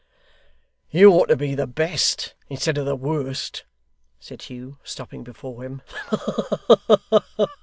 'You ought to be the best, instead of the worst,' said Hugh, stopping before him.